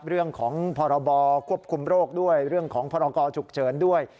เรื่องของพรบควบคุมโรคด้วยเรื่องของพรกรฉุกเฉินด้วย